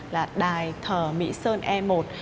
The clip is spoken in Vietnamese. là đài thờ mỹ sơn e một